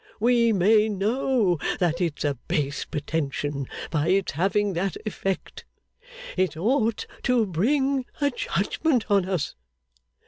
We may know that it's a base pretension by its having that effect. It ought to bring a judgment on us.